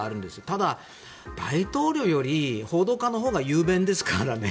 ただ大統領より報道官のほうが雄弁ですからね。